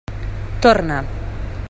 Torna.